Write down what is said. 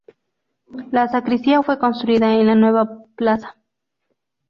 La sacristía fue construida en la nueva plaza.